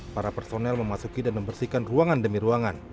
para personel memasuki dan membersihkan ruangan demi ruangan